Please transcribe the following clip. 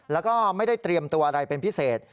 แล้วก็ไม่ได้เตรียมตัวอะไรเป็นพิเศษ